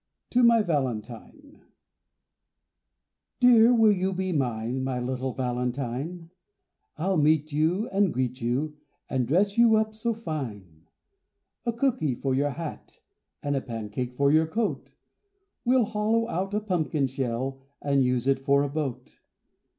TO MY VALENTINE Dear, will you be mine, My little Valentine? I'll meet you, and greet you, And dress you up so fine! A cooky for your hat, And a pancake for your coat; We'll hollow out a pumpkin shell And use it for a boat.